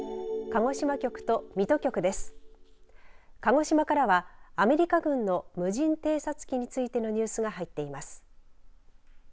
鹿児島からはアメリカ軍の無人偵察機についてのニュースが入っています。